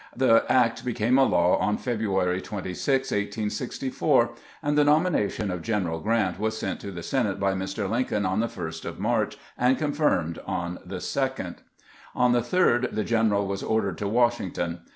The act became a law on February 26, 1864, and the nomination of General Grant was sent to the Senate by Mr. Lincoln on the 1st of March, and confirmed on the 2d. On the 3d the general was ordered to "Washington.